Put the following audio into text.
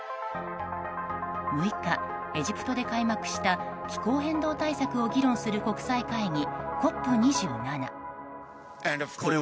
６日、エジプトで開幕した気候変動対策を議論する国際会議、ＣＯＰ２７。